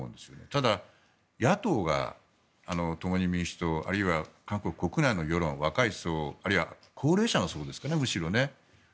ただ、野党が共に民主党あるいは韓国国内の世論若い層、あるいはむしろ高齢者の層ですかね。